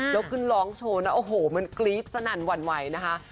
แล้วขึ้นร้องโชว์นะโอ้โหมันกรี๊ดสนั่นหวั่นไหวนะคะ